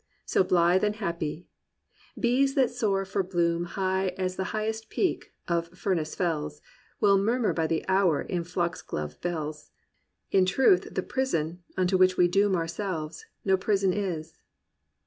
Sit blithe and happy; bees that soar for bloom High as the highest Peak of Furniss fells, Witi murmur by the hour in fox glove bells; Li truth the prison, unto which we doom Ourselves^ no prison is.'